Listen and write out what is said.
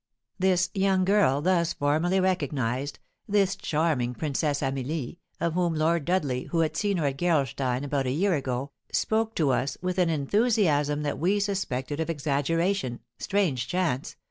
This young girl, thus formally recognised, this charming Princess Amelie, of whom Lord Dudley, who had seen her at Gerolstein about a year ago, spoke to us with an enthusiasm that we suspected of exaggeration, strange chance!